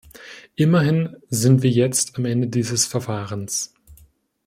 Immerhin sind wir jetzt am Ende dieses Verfahrens.